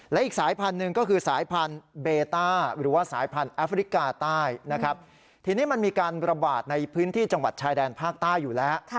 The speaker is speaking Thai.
และอีกสายพันธุ์หนึ่งก็คือสายพันธุ์เบต้าหรือว่าสายพันธุ์แอฟริกาใต้นะครับทีนี้มันมีการระบาดในพื้นที่จังหวัดชายแดนภาคใต้อยู่แล้ว